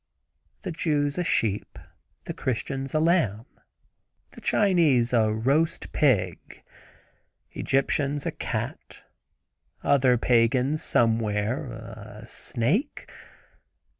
The Jews a sheep. The Christians a lamb. The Chinese a roast pig. Egyptians a cat. Other pagans, somewhere—a snake.